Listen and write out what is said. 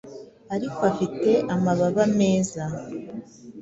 ariko afite amababa meza